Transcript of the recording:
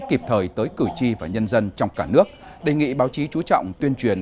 kịp thời tới cử tri và nhân dân trong cả nước đề nghị báo chí chú trọng tuyên truyền